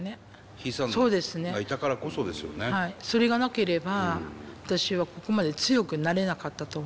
それがなければ私はここまで強くなれなかったと思いますね。